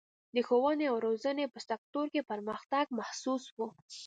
د ښوونې او روزنې په سکتور کې پرمختګ محسوس و.